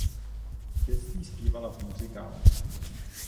V dětství zpívala v muzikálech.